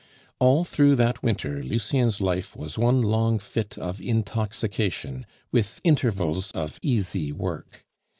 All through that winter Lucien's life was one long fit of intoxication, with intervals of easy work.